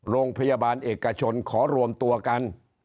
โรงพยาบาลเอกชนขอรวมตัวกัน